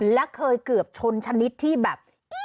และเคยเกือบชนชนิดที่แบบ